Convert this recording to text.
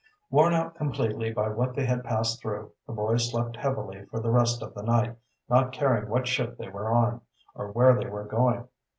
Worn out completely by what they had passed through, the boys slept heavily for the rest of the night, not caring what ship they were on or where they were going.